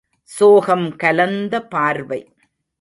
சோகம் கலந்த பார்வை.